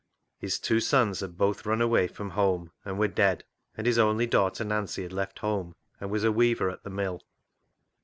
His two sons had both run away from home, and were dead, and his only daughter Nancy had left home and was a weaver at the mill.